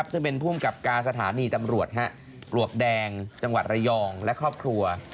ซึ่งเป็นภูมิกับการสถานีตำรวจปลวกแดงจังหวัดระยองและครอบครัว